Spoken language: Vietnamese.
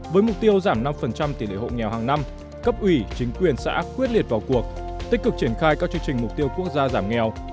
với mục tiêu giảm năm tỷ lệ hộ nghèo hàng năm cấp ủy chính quyền xã quyết liệt vào cuộc tích cực triển khai các chương trình mục tiêu quốc gia giảm nghèo